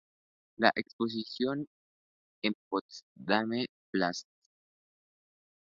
La exposición en Potsdamer Platz.